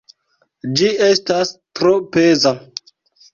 Ĝi estas tro peza.